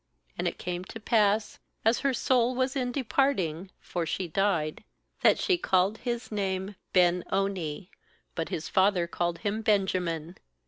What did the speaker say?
18And it came to pass, as her soul was in departing — for she died — that she called his name °Ben oni; but his Father called him dBenjamin.